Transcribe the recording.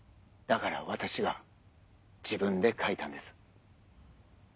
だから私が自分で書いたんです。